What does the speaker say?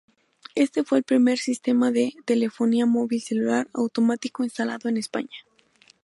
Este fue el primer sistema de telefonía móvil celular automático instalado en España.